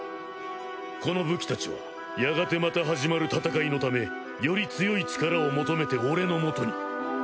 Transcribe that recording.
この武器たちはやがてまた始まる戦いのためより強い力を求めて俺のもとに。